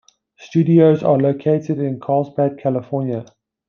Studios are located in Carlsbad, California.